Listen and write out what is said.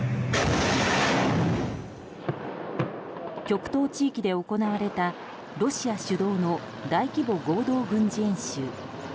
極東地域で行われたロシア主導の大規模合同軍事演習。